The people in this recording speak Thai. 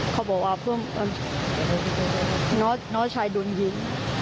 เขาบอกว่าน้อชายโดนยิ้ม